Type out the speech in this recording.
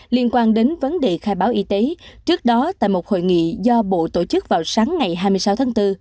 liên quan đến vấn đề khai báo y tế trước đó tại một hội nghị do bộ tổ chức vào sáng ngày hai mươi sáu tháng bốn